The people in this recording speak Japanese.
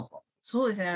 そうですね。